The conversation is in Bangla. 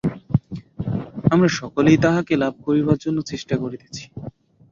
আমরা সকলেই তাঁহাকে লাভ করিবার জন্য চেষ্টা করিতেছি।